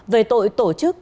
về tội tổ chức